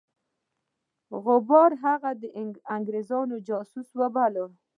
غبار هغه د انګرېزانو جاسوس باله.